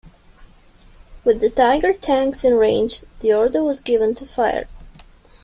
With the Tiger tanks in range, the order was given to fire.